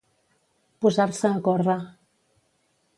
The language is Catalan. Posar-se a córrer.